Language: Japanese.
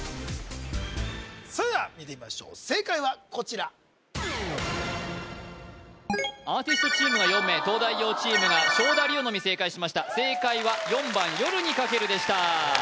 それでは見てみましょう正解はこちらアーティストチームが４名東大王チームが勝田りおのみ正解しました正解は４番「夜に駆ける」でした